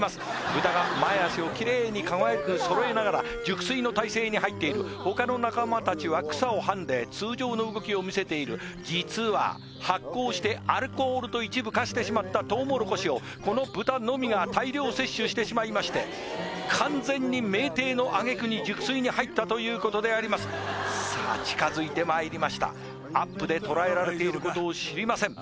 豚が前脚をキレイにかわいく揃えながら熟睡の体勢に入っている他の仲間達は草をはんで通常の動きを見せている実は発酵してアルコールと一部化してしまったトウモロコシをこの豚のみが大量摂取してしまいまして完全に酩酊のあげくに熟睡に入ったということでありますさあ近づいてまいりましたアップでとらえられていることを知りません